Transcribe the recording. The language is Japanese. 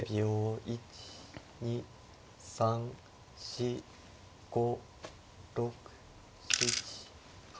１２３４５６７８。